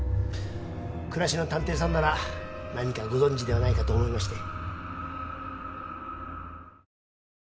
暮らしの探偵さんなら何かご存じではないかと思いまして。